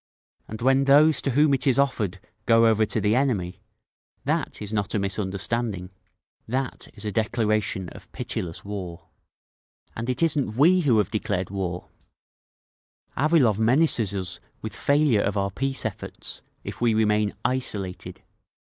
'—and when those to whom it is offered go over to the enemy, that is not a misunderstanding…. that is a declaration of pitiless war. And it isn't we who have declared war…. "Avilov menaces us with failure of our peace efforts—if we remain 'isolated.